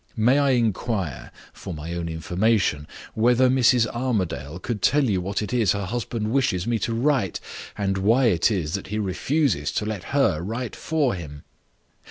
"May I inquire, for my own information, whether Mrs. Armadale could tell you what it is her husband wishes me to write, and why it is that he refuses to let her write for him?"